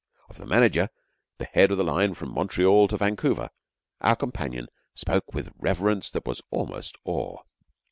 Of the manager, the head of the line from Montreal to Vancouver, our companion spoke with reverence that was almost awe.